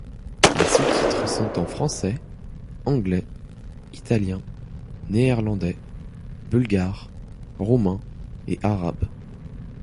Les sous-titres sont en français, anglais, italien, néerlandais, bulgare, roumain et arabe.